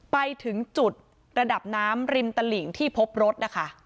ไปถึงจุดระดับน้ำริมตลิ่งที่พบรถนะคะ